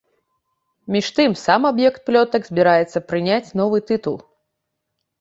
Між тым, сам аб'ект плётак збіраецца прыняць новы тытул.